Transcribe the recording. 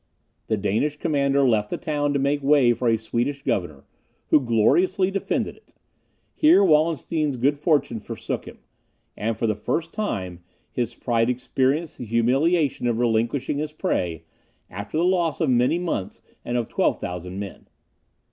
The Danish commander left the town to make way for a Swedish governor, who gloriously defended it. Here Wallenstein's good fortune forsook him; and, for the first time, his pride experienced the humiliation of relinquishing his prey, after the loss of many months and of 12,000 men.